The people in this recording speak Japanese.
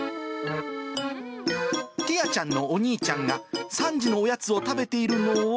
ティアちゃんのお兄ちゃんが３時のおやつを食べているのを。